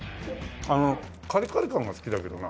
あのカリカリ感が好きだけどな。